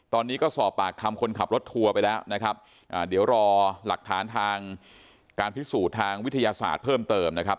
ตอนนี้ก็สอบปากคำคนขับรถทัวร์ไปแล้วนะครับอ่าเดี๋ยวรอหลักฐานทางการพิสูจน์ทางวิทยาศาสตร์เพิ่มเติมนะครับ